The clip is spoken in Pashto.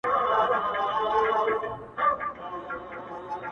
o د ارزښتونو ترانه ځي مــا يـــوازي پــــرېـــــــږدي ـ